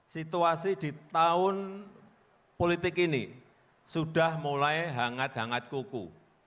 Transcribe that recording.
situasi di tahun politik ini sudah mulai hangat hangat kuku